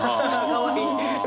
かわいい！